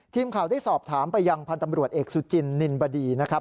ทีมข่าวได้สอบถามไปยังพันธ์ตำรวจเอกสุจินนินบดีนะครับ